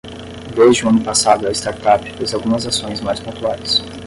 Desde o ano passado a startup fez algumas ações mais pontuais